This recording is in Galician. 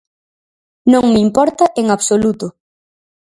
Non me importa en absoluto.